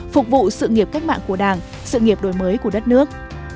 phục vụ sự nghiệp cách mạng của đảng sự nghiệp đổi mới của đất nước